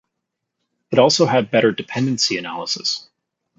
It also had better dependency analysis.